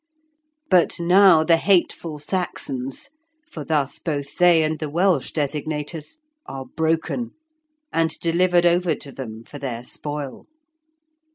But now the hateful Saxons (for thus both they and the Welsh designate us) are broken, and delivered over to them for their spoil.